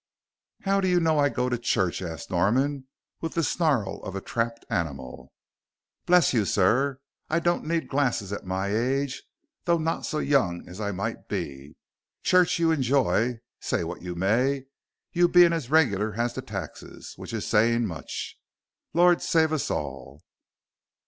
"How do you know I go to church?" asked Norman, with the snarl of a trapped animal. "Bless you, sir, I don't need glarses at my age, though not so young as I might be. Church you enjiy, say what you may, you being as regular as the taxes, which is saying much. Lor' save us all!"